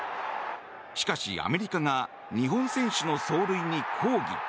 しかし、アメリカが日本選手の走塁に抗議。